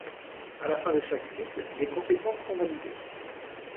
À la fin de chaque cycle des compétences sont validés.